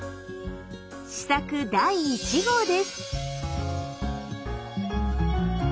試作第１号です。